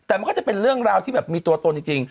แต่มันก็จะเป็นเรื่องราวที่แบบมีตัวตนจริง